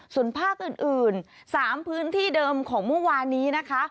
ส่วนภาคอื่น๓พื้นที่เดิมของเมื่อวานนี้นะคะ